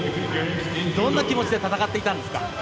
どんな気持ちで戦っていたんですか。